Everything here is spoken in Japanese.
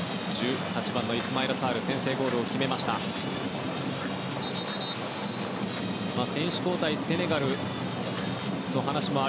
１８番のイスマイラ・サール先制ゴールを決めた選手です。